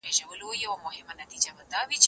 زه پرون کالي وچوم وم!